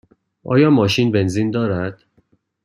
آیا ماشین بنزین دارد؟